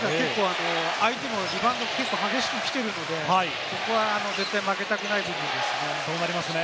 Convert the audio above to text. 相手もリバウンド、激しくきているので、ここは絶対負けたくない部分ですね。